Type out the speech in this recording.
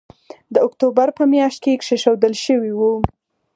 د اکتوبر په مياشت کې کېښودل شوی وو